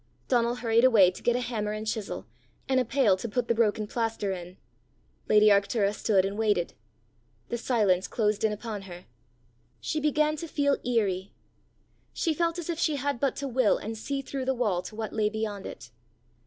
Donal hurried away to get a hammer and chisel, and a pail to put the broken plaster in. Lady Arctura stood and waited. The silence closed in upon her. She began to feel eerie. She felt as if she had but to will and see through the wall to what lay beyond it.